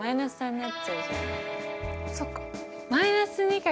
そっか。